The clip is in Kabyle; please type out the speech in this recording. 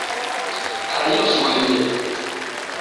Ɛyiɣ seg uḥellel.